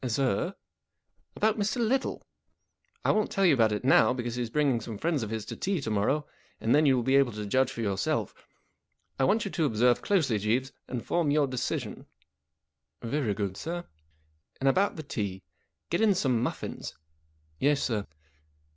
" Sir ?"" About Mr. Little. I won't tell you about it now, because he's bringing some friends of his to tea to morrow, and then you will be able to judge for yourself. I want you to observe closely, Jeeves, and form your decision." " Very good, sir." " And about the tea. Get in some muffins." " Yes, sir."